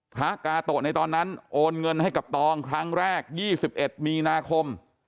พระกาโตะในตอนนั้นโอนเงินให้กับตองครั้งแรก๒๑มีนาคม